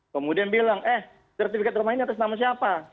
kemudian bilang eh sertifikat rumah ini atas nama siapa